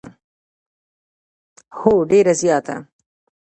هو، ډیره زیاته